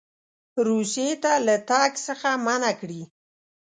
روسیې ته له تګ څخه منع کړي.